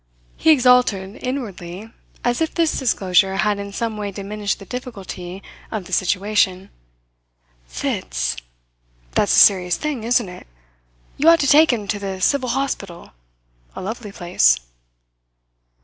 He exulted inwardly, as if this disclosure had in some way diminished the difficulty of the situation. "Fits! That's a serious thing, isn't it? You ought to take him to the civil hospital a lovely place."